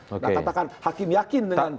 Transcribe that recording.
dan katakan hakim yakin dengan